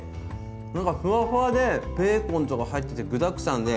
なんかふわふわでベーコンとか入ってて具だくさんで。